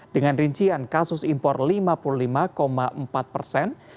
dengan rincian kasus impor lima puluh lima empat persen